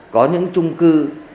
có những trung cư